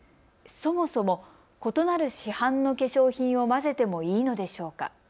そもそも異なる市販の化粧品を混ぜてもいいのでしょうか。